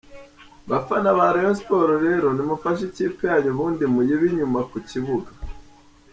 Bafana ba Rayon Sports rero nimufashe ikipe yanyu ubundi muyibe inyuma ku kibuga.